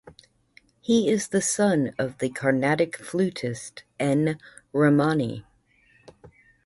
He is the son of the Carnatic flutist N. Ramani.